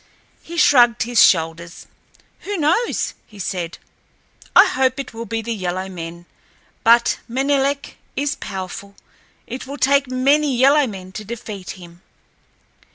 He shrugged his shoulders. "Who knows?" he said. "I hope it will be the yellow men, but Menelek is powerful—it will take many yellow men to defeat him."